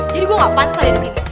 jadi gue gak pantas aja disini